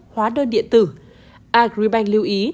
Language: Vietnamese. khóa đơn điện tử agribank lưu ý